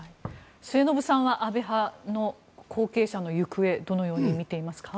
末延さんは安倍派の後継者の行方をどのように見ていますか。